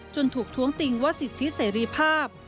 ถูกท้วงติงว่าสิทธิเสรีภาพ